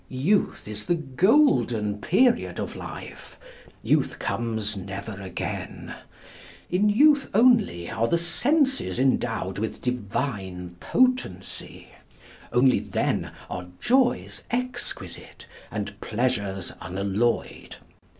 Youth is the golden period of life: youth comes never again: in youth only are the senses endowed with divine potency; only then are joys exquisite and pleasures unalloyed.